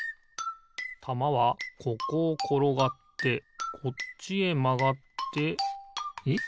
たまはここをころがってこっちへまがってえっ？